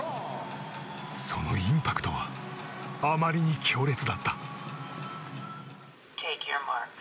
そのインパクトはあまりに強烈だった。